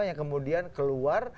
yang kemudian keluar